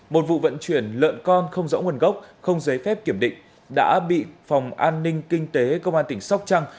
một vụ vận chuyển lợn con không rõ nguồn gốc không giấy phép kiểm định đã bị phòng an ninh kinh tế công an tỉnh sóc trăng